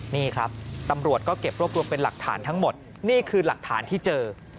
นี่ครับตำรวจก็เก็บรวบรวมเป็นหลักฐานทั้งหมดนี่คือหลักฐานที่เจอ